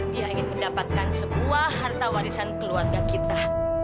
dia ingin mendapatkan semua harta warisan keluarga kita